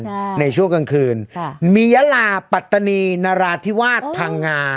ใช่ในช่วงกลางคืนค่ะมียาลาปัตตานีนราธิวาสพังงา